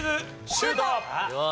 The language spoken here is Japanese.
シュート！